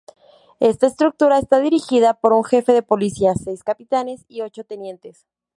Esta estructura está dirigida por un jefe de policía, seis capitanes, y ocho tenientes.